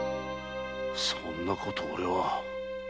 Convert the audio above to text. そんなことおれは。